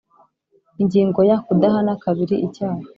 Ingingo ya kudahana kabiri icyaha